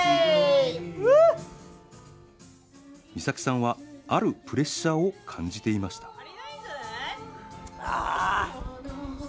岬さんはあるプレッシャーを感じていました